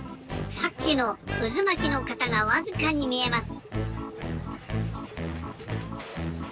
さっきのうずまきの型がわずかにみえます！